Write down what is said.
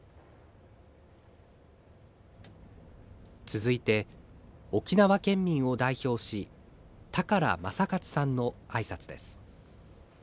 続いて、沖縄県民を代表し高良政勝さんの挨拶です。